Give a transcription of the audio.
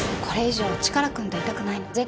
これ以上チカラくんといたくないの。